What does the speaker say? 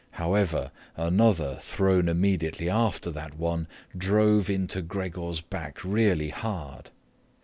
However, another thrown immediately after that one drove into Gregor's back really hard.